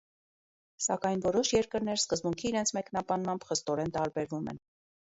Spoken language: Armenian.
Սակայն որոշ երկրներ սկզբունքի իրենց մեկնաբանմամբ խստորեն տարբերվում են։